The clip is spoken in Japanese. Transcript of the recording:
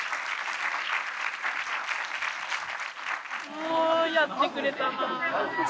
もうやってくれたな。